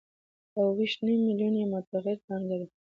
او اوه ویشت نیم میلیونه یې متغیره پانګه ده